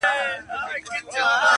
سوځوي مي د خپل ستوني درد بې اوره!.